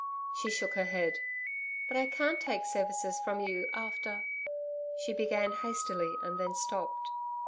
She shook her head. 'But I can't take services from you, after....' she began hastily and then stopped.